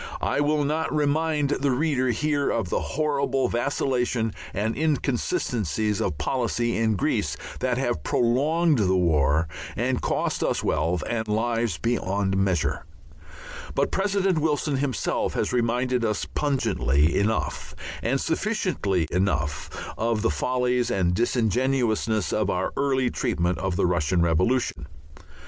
I will not remind the reader here of the horrible vacillations and inconsistencies of policy in Greece that have prolonged the war and cost us wealth and lives beyond measure, but President Wilson himself has reminded us pungently enough and sufficiently enough of the follies and disingenuousness of our early treatment of the Russian Revolution.